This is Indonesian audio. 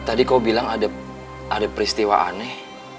tadi kau bilang ada peristiwa aneh